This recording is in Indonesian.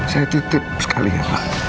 saya dititip sekali pak